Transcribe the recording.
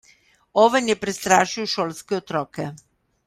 Oven je prestrašil šolske otroke.